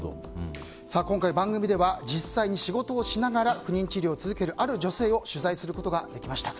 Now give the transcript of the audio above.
今回、番組では実際に仕事を続けながら不妊治療を続ける、ある女性を取材することができました。